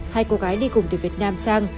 hai cô gái đi cùng từ việt nam sang